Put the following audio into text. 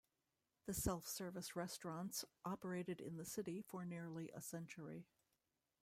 The self-service restaurants operated in the city for nearly a century.